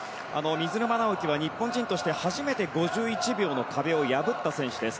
水沼尚輝は日本人として初めて５１秒の壁を破った選手です。